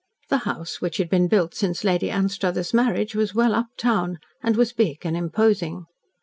The house, which had been built since Lady Anstruthers' marriage, was well "up town," and was big and imposing.